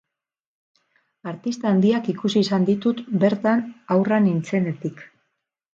Artista handiak ikusi izan ditut bertan haurra nintzenetik.